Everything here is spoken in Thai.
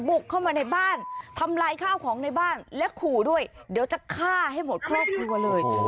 บุกเข้ามาในบ้านทำลายข้าวของในบ้านและขู่ด้วยเดี๋ยวจะฆ่าให้หมดครอบครัวเลย